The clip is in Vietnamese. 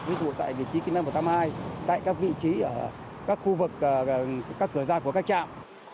ví dụ tại vị trí kinh tắc một trăm tám mươi hai tại các vị trí ở các khu vực các cửa ra của các trạm